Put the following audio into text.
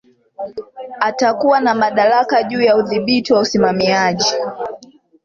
Atakuwa na madaraka juu ya udhibiti na usimamiaji